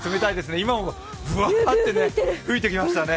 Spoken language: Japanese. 今もぶわって吹いてきましたね。